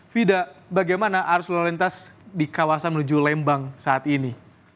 fida bagaimana arus lalu lintas di kawasan menuju lembang saat ini